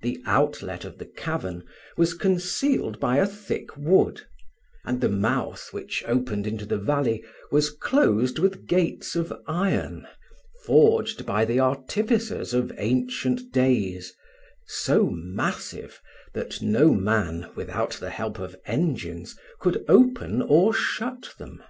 The outlet of the cavern was concealed by a thick wood, and the mouth which opened into the valley was closed with gates of iron, forged by the artificers of ancient days, so massive that no man, without the help of engines, could open or shut them.